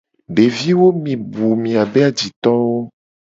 Deviwo mi bu miabe ajitowo.